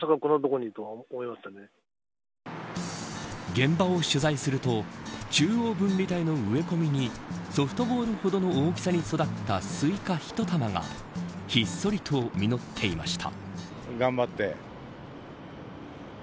現場を取材すると中央分離帯の植え込みにソフトボールほどの大きさに育ったスイカひと玉がひっそりと実っていました。